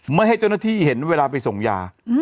ไม่ให้เจ้าหน้าที่เห็นเวลาไปส่งยา